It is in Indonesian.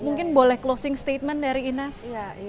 mungkin boleh closing statement dari inas